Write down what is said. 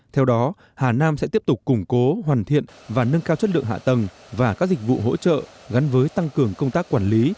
theo đó hà nam sẽ tiếp tục củng cố hoàn thiện và nâng cao chất lượng hạ tầng và các dịch vụ hỗ trợ gắn với tăng cường công tác quản lý